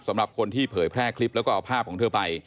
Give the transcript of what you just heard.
สำหรับคนที่เผยแพร่คลิปแล้วก็เอาภาพของเธอไป